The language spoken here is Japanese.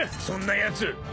そんなやつ］